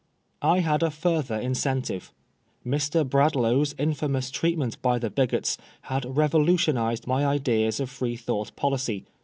I had a further incentive. Mr. Bradlaugh's infamons treatment by the bigots had revolutionised my ideas of Freethought policy.